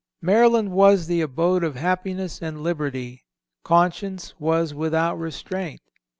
"Maryland was the abode of happiness and liberty. Conscience was without restraint.